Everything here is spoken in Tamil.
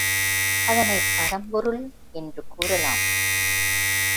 அதனைப் பரம்பொருள் என்று கூறலாம்.